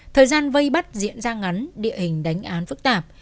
thời gian vây bắt diễn ra ngắn địa hình đánh án phức tạp